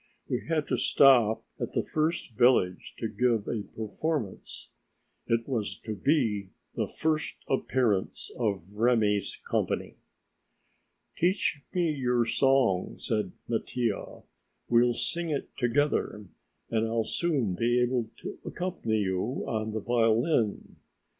We had to stop at the first village to give a performance. It was to be the "First appearance of Remi's Company." "Teach me your song," said Mattia; "we'll sing it together, and I'll soon be able to accompany you on the violin.